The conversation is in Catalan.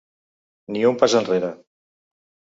Ni un pas enrere!